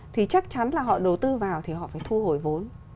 thì chắc chắn là họ đầu tư vào thì họ phải thu hồi vốn